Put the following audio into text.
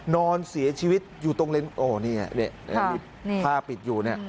นอนเสียชีวิตอยู่ตรงเล็งโอ้โหนี่ผ้าปิดอยู่